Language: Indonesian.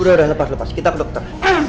udah udah lepas lepas kita dokter